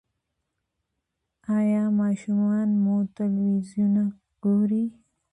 ایا ماشومان مو تلویزیون ګوري؟